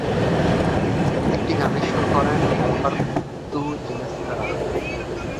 একটি গানের সুর করেন আলবার্তো জিনাস্তেরা।